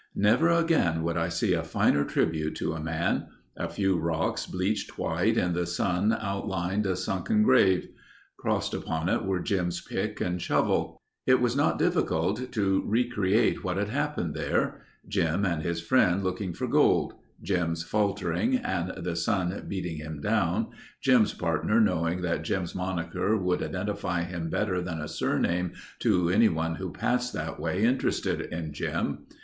Never again would I see a finer tribute to man. A few rocks bleached white in the sun outlined a sunken grave. Crossed upon it were Jim's pick and shovel. It was not difficult to recreate what had happened there. Jim and his friend looking for gold. Jim's faltering and the sun beating him down. Jim's partner knowing that Jim's moniker would identify him better than a surname to anyone who passed that way interested in Jim.